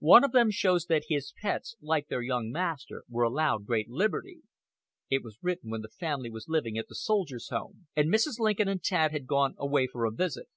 One of them shows that his pets, like their young master, were allowed great liberty. It was written when the family was living at the Soldiers' Home, and Mrs. Lincoln and Tad had gone away for a visit.